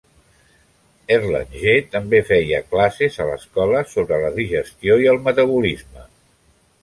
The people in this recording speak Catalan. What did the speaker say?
Erlanger també feia classes a l'escola sobre la digestió i el metabolisme.